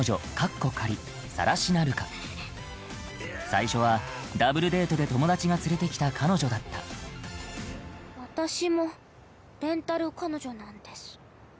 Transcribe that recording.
最初はＷデートで友達が連れてきた彼女だった私もレンタル彼女なんです。